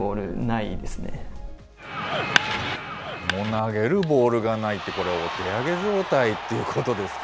投げるボールがないって、これ、お手上げ状態ってことですか？